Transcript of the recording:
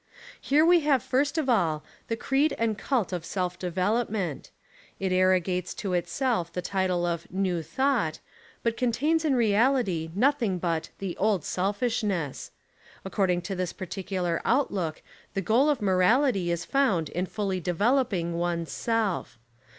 Here we have first of all the creed and cult of self development. It arrogates to Itself the title of New Thought, but contains In reality nothing but the Old Selfishness. According to this particular outlook the goal of morality is found In fully developing one's self.